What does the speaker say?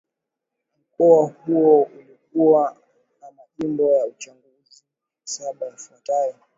mkoa huu ulikuwa na majimbo ya uchaguzi saba yafuatayo